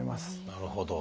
なるほど。